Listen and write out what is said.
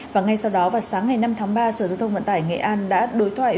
và ngay sau đó vào sáng ngày năm tháng ba sở giao thông vận tải nghệ an đã đối thoại